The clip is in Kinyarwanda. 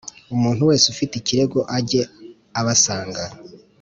umuntu wese ufite ikirego ajye abasanga